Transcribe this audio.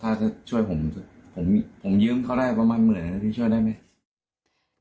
ถ้าจะช่วยผมผมยืมเขาได้ประมาณหมื่นนะพี่ช่วยได้ไหม